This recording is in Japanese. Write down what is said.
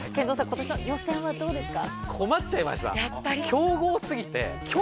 今年の予選はどうですか？